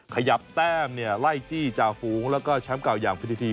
ขยับแต้มไล่จี้จาฝูงแล้วก็ช้ำเก่ายามพิทธิ